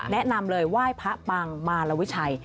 แนะนำเลยไหว้พระปังมารวิชัย